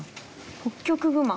ホッキョクグマ。